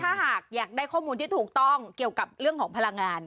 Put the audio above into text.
ถ้าหากอยากได้ข้อมูลที่ถูกต้องเกี่ยวกับเรื่องของพลังงาน